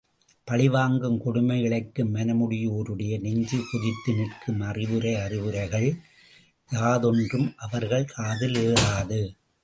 பழிவாங்கும், கொடுமை இழைக்கும் மனமுடையோருடைய நெஞ்சு கொதித்து நிற்கும் அறவுரை அறிவுரைகள் யாதொன்றும் அவர்கள் காதில் ஏறாது.